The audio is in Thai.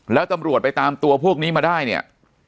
แล้วตำรวจไปตามตัวพวกนี้มาได้เนี่ย